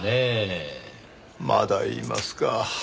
まだ言いますか。